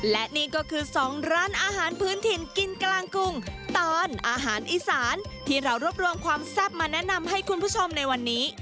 และนี่ก็คือ๒ร้านอาหารพื้นถิ่นกินกลางกรุงตอนอาหารอีสานที่เรารวบรวมความแซ่บมาแนะนำให้คุณผู้ชมในวันนี้